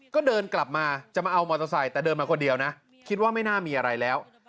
ก็เดินกลับมาจะมาเอามอเตอร์ไซค์แต่เดินมาคนเดียวนะคิดว่าไม่น่ามีอะไรแล้ว